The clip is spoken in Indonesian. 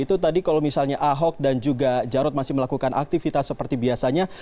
itu tadi kalau misalnya ahok dan juga jarod masih melakukan aktivitas seperti biasanya